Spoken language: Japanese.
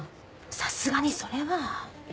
さすがにそれは。